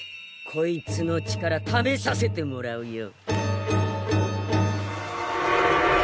こいつの力ためさせてもらうよ！